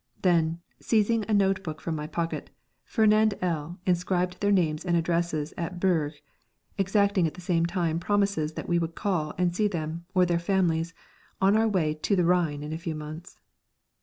Then, seizing a notebook from my pocket, Fernand L inscribed their names and addresses at Bruges, exacting at the same time promises that we would call and see them, or their families, on our way "to the Rhine in a few months"!